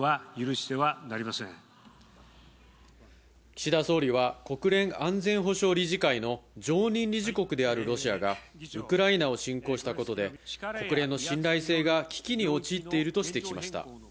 岸田総理は国連安全保障理事会の常任理事国であるロシアがウクライナを侵攻したことで国連の信頼性が危機に陥っていると指摘しました。